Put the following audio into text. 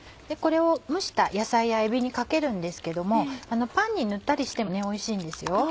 これを蒸した野菜やえびにかけるんですけどもパンに塗ったりしてもねおいしいんですよ。